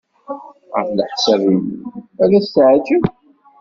Ɣef leḥsab-nnem, ad as-teɛjeb?